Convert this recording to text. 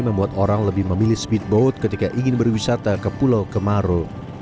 membuat orang lebih memilih speedboat ketika ingin berwisata ke pulau kemaro